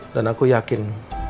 dan aku yakin